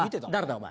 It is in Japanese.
お前。